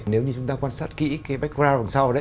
nếu như chúng ta quan sát kỹ background phần sau